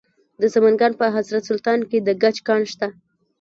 د سمنګان په حضرت سلطان کې د ګچ کان شته.